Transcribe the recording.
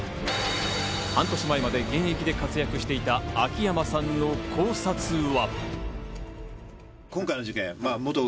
半年前まで現役で活躍していた秋山さんの考察は。